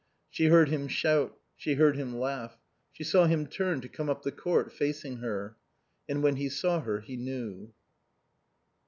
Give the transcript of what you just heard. She heard him shout. She heard him laugh. She saw him turn to come up the court, facing her. And when he saw her, he knew.